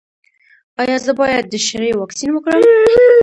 ایا زه باید د شري واکسین وکړم؟